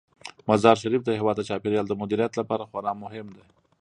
مزارشریف د هیواد د چاپیریال د مدیریت لپاره خورا مهم دی.